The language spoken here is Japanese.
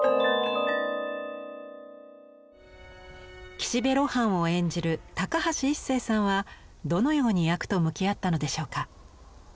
岸辺露伴を演じる高橋一生さんはどのように役と向き合ったのでしょうか？